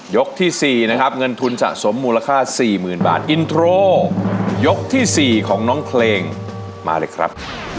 ยกที่สี่นะครับเงินทุนสะสมมูลค่าสี่หมื่นบาทยกที่สี่ของน้องเพลงมาเลยครับ